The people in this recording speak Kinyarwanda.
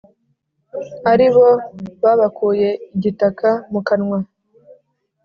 Ari bo babakuye igitaka mu kanwa